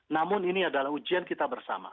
namun ini adalah ujian kita bersama